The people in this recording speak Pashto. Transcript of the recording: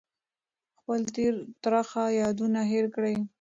خپل تېر ترخه یادونه هېر کړئ.